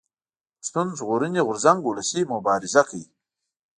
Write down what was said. پښتون ژغورني غورځنګ اولسي مبارزه کوي